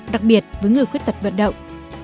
đặc biệt với người khuyết tật vận động